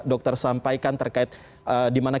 disampaikan terkait dimana